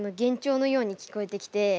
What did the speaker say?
のように聞こえてきて。